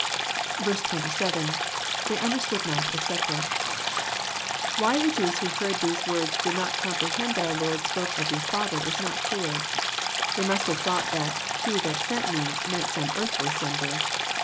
'*' ^T.^^They understood not, etc."] Why the Jews who heard these words did not comprehend that our Lord spoke of the <' Father is not clear. They must have thought that " He that sent Me " meant some earthly sender.